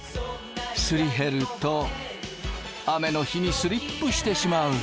すり減ると雨の日にスリップしてしまう。